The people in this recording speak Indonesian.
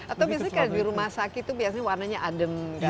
atau misalnya di rumah sakit itu biasanya warnanya adem